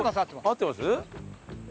合ってます？